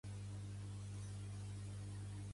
Els de Cardedeu, marrameu!